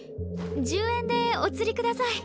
１０円でおつりください。